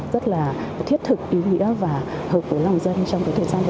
rất là thiết thực ý nghĩa và hợp với lòng dân